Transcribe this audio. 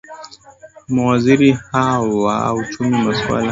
mawaziri hawa wa uchumi masuala ya mambo ya nje na kilimo